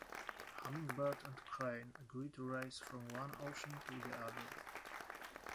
Hummingbird and Crane agree to race from one ocean to the other.